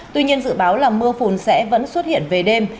tuy nhiên dự báo là mưa phùn sẽ vẫn xuất hiện về đêm